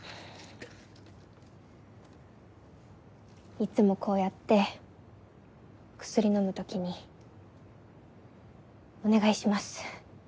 いつもこうやって薬飲む時に「お願いします